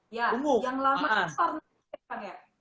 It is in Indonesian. iya yang lama